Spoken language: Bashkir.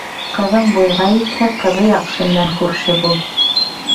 Ҡыҙың буйға етһә, ҡыҙы яҡшы менән күрше бул.